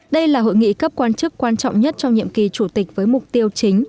đây là hội nghị cấp quan chức quan trọng nhất trong nhiệm kỳ chủ tịch với mục tiêu chính